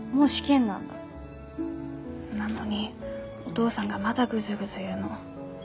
なのにお父さんがまだグズグズ言うの。